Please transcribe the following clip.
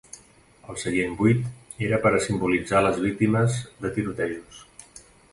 El seient buit era per a simbolitzar les víctimes de tirotejos.